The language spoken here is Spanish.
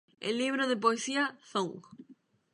El libro de poesía "Zong!